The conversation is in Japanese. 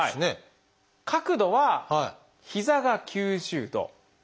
角度は膝が９０度。